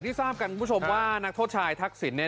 ทราบกันคุณผู้ชมว่านักโทษชายทักษิณเนี่ย